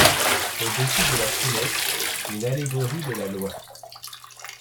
Au dessus de la fenêtre, une allégorie de la Loi.